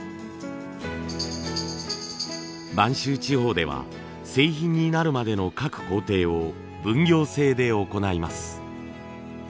播州地方では製品になるまでの各工程を分業制で行います。